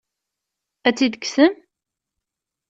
Ad tt-id-tekksem?